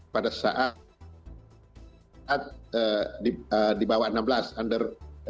pada saat dibawah enam belas under enam belas